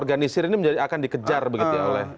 organisir ini akan dikejar begitu ya oleh